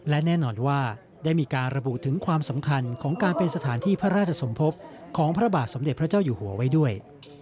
และแน่นอนว่าได้มีการระบุถึงความสำคัญของการเป็นสถานที่พระราชสมภพของพระบาทสมเด็จพระเจ้าอยู่หัวไว้ด้วย